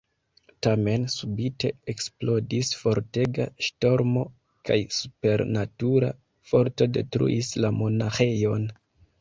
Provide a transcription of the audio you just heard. Tamen subite eksplodis fortega ŝtormo kaj supernatura forto detruis la monaĥejon.